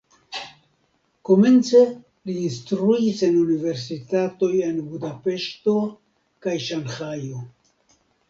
Komence li instruis en universitatoj en Budapeŝto kaj Ŝanhajo.